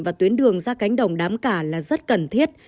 và tuyến đường ra cánh đồng đám cả là rất cần thiết